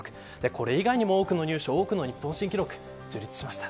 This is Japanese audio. これ以外にも多くの入賞多くの日本新記録樹立しました。